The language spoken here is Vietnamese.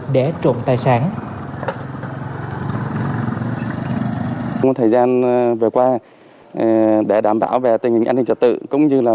để trộm tài sản